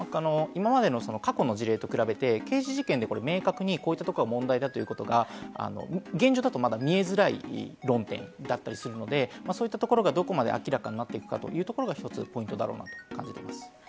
今までの過去の事例と比べて刑事事件で明確にこういったところが問題だということが現状だと、まだ見えづらい論点だったりするので、そういったところがどこまで明らかになっていくかというところが１つポイントだろうなという感じです。